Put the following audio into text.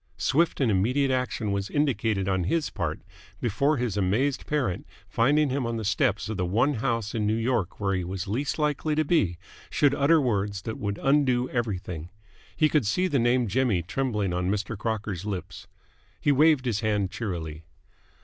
Swift and immediate action was indicated on his part before his amazed parent, finding him on the steps of the one house in New York where he was least likely to be, should utter words that would undo everything. He could see the name Jimmy trembling on Mr. Crocker's lips. He waved his hand cheerily.